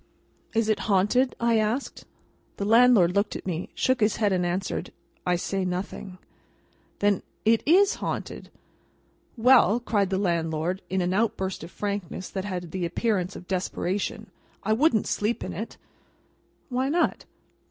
"Is it haunted?" I asked. The landlord looked at me, shook his head, and answered, "I say nothing." "Then it is haunted?" "Well!" cried the landlord, in an outburst of frankness that had the appearance of desperation—"I wouldn't sleep in it." "Why not?"